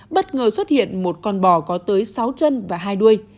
bất ngờ xuất hiện một con bò có tới sáu chân và hai đuôi